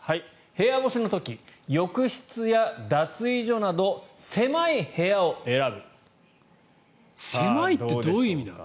部屋干しの時、浴室や脱衣所など狭い部屋を選ぶさあ、どうでしょうか。